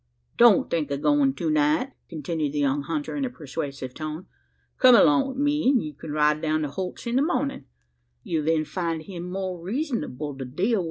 "Don't think o' goin' to night," continued the young hunter in a persuasive tone. "Come along wi' me; an' you can ride down to Holt's in the mornin'. You'll then find him more reezonable to deal wi'.